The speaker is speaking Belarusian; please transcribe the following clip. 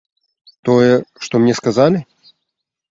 Тое, што мне сказалі?